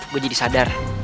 gue jadi sadar